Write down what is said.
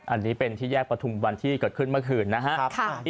อันนี้เป็นที่แยกประทุมวันที่เกิดขึ้นเมื่อคืนนะครับ